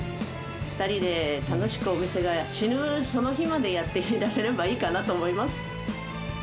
２人で楽しくお店が、死ぬその日までやっていければいいかなと思います。